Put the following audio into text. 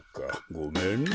ごめんな。